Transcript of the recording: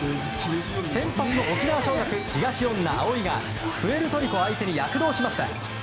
先発の沖縄尚学、東恩納蒼がプエルトリコ相手に躍動しました。